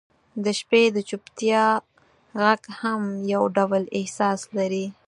• د شپې د چوپتیا ږغ هم یو ډول احساس لري.